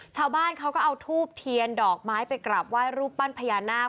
ชาวบ้านเขาก็เอาทูบเทียนดอกไม้ไปกราบไหว้รูปปั้นพญานาค